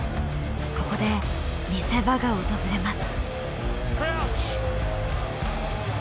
ここで見せ場が訪れます。